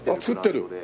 作ってる？